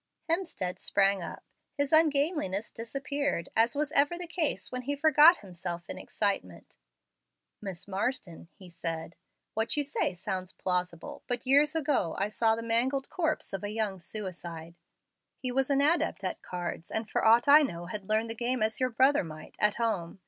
Hemstead sprang up. His ungainliness disappeared, as was ever the case when he forgot himself in excitement. "Miss Marsden," he said, "what you say sounds plausible, but years ago I saw the mangled corpse of a young suicide. He was an adept at cards, and for aught I know had learned the game as your brother might, at home.